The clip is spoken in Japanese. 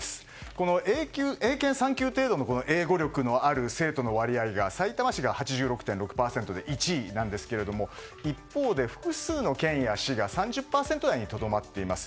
この英検３級という英語力のある生徒の割合がさいたま市が８６．６％で１位なんですけれども一方で、複数の県や市が３０％台にとどまっています。